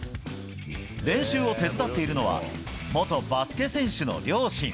練習を手伝っているのは元バスケ選手の両親。